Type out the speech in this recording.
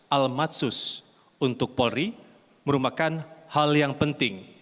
almatsus untuk polri merupakan hal yang penting